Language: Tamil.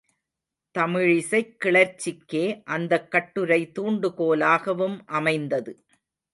தமிழிசைக் கிளர்ச்சிக்கே அந்தக் கட்டுரை தூண்டுகோலாகவும் அமைந்தது.